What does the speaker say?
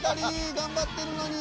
頑張ってるのに。